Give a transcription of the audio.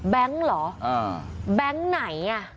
แบงค์เหรอแบงค์ไหน